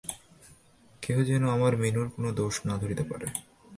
কেহ যেন আমার মিনুর কোনো দোষ না ধরিতে পারে।